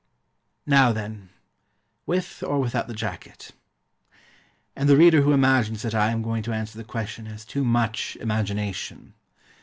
Now then, With or without the jacket? And the reader who imagines that I am going to answer the question has too much imagination.